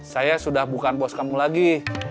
saya sudah bukan bos kamu lagi